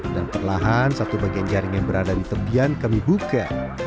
dan perlahan satu bagian jaring yang berada di tepian kami buka